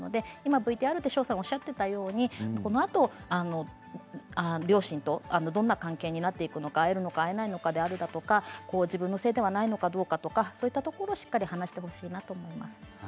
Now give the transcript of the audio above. ＶＴＲで翔さんがおっしゃっていたようにこのあと両親とどんな関係になっていくのか会えるのか会えないのか自分のせいなのかどうかというところをしっかり話してほしいなと思います。